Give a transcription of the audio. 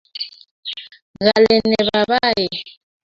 kale ne babae?